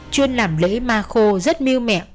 chuyên làm lễ ma khô rất miêu mẹ